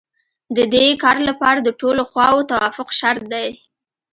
د دې کار لپاره د ټولو خواوو توافق شرط دی